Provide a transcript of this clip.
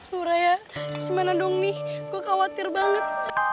lu raya gimana dong nih gua khawatir banget